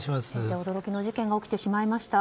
驚きの事件が起きてしまいました。